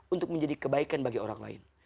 untuk menjadi kebaikan bagi orang lain